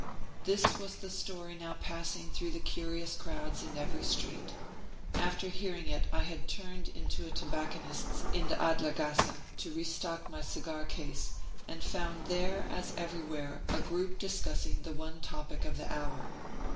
This was the story now passing through the curious crowds in every street. After hearing it I had turned into a tobacconist's in the Adlergrasse, to restock my cigar case, and found there, as everywhere, a group discussing the one topic of the hour.